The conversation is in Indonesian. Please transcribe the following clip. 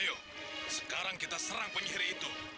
yuk sekarang kita serang penyihir itu